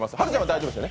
大丈夫です。